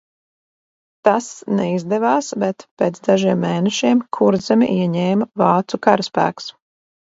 Tas neizdevās, bet pēc dažiem mēnešiem Kurzemi ieņēma vācu karaspēks.